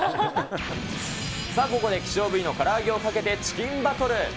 ここで希少部位のから揚げをかけてチキンバトル。